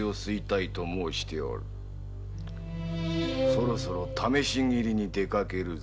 そろそろ試し斬りに出かけるぞ。